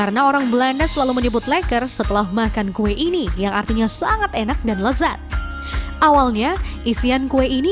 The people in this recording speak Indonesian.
sebagai salah satu cara melestarikan dan mengangkat kembali pamor kue lecker ini